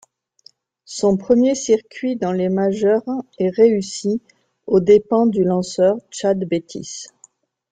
Son premier circuit dans les majeures est réussi aux dépens du lanceur Chad Bettis.